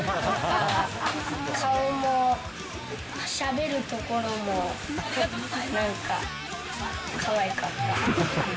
顔も、しゃべるところも、なんか、かわいかった。